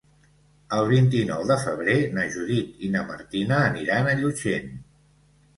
El vint-i-nou de febrer na Judit i na Martina aniran a Llutxent.